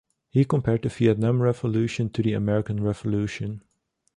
He compared the Vietnam revolution to the American revolution.